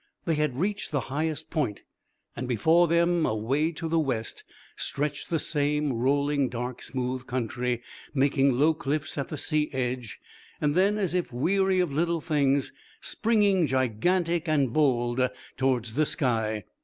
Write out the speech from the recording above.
They had reached the highest point and before them, away to the west, stretched the same rolling dark smooth country, making low cliffs at the sea edge and then, as if weary of little things, springing gigantic and bold towards the sky.